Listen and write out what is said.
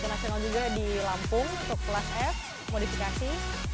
dua ribu lima belas juara satu nasional juga di lampung untuk kelas f modifikasi